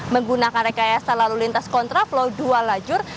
menggunakan rekayasa lalu lintas kontraflow dua lajur